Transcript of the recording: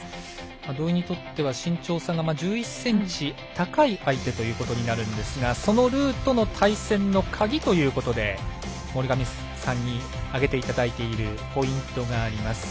土居にとっては身長差が１１ｃｍ高い相手ということになるんですがそのルーとの対戦の鍵ということで森上さんに挙げていただいているポイントがあります。